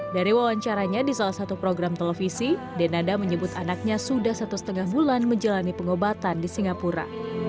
dari wawancaranya di salah satu program televisi denada menyebut anaknya sudah satu setengah bulan menjalani pengobatan di singapura